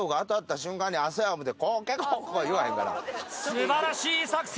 素晴らしい作戦！